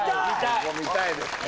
ここ見たいですね